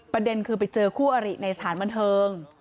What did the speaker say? ประเด็นคือไปเจอคู่อริในสถานบันเทิง